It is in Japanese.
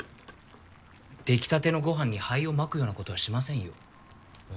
「できたてのご飯に灰をまく」ようなことはしませんよ。え？